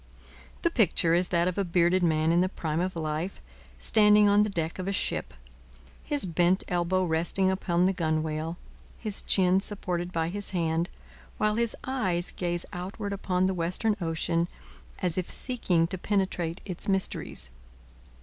The picture is that of a bearded man in the prime of life, standing on the deck of a ship, his bent elbow resting upon the gunwale, his chin supported by his hand, while his eyes gaze outward upon the western ocean as if seeking to penetrate its mysteries.